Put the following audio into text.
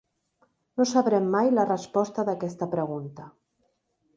No sabrem mai la resposta d'aquesta pregunta.